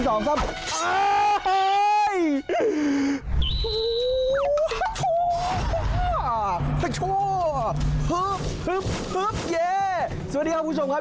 สวัสดีครับคุณผู้ชมครับ